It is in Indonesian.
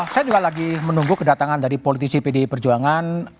saya juga lagi menunggu kedatangan dari politisi pdi perjuangan